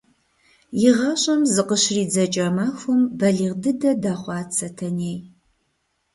И гъащӀэм зыкъыщридзэкӀа махуэм балигъ дыдэ дэхъуат Сэтэней.